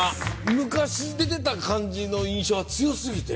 昔出てた感じの印象が強過ぎて。